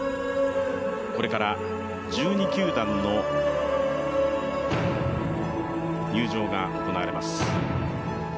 これから１２球団の入場が行われます。